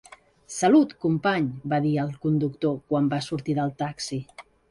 "Salut company" va dir al conductor quan va sortir del taxi.